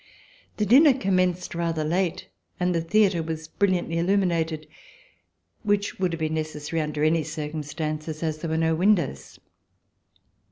The dinner commenced rather late and the theatre was brilliantly illuminated, which would have been necessary under any circumstances, as there were no windows.